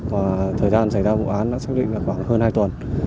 và thời gian xảy ra vụ án đã xác định là khoảng hơn hai tuần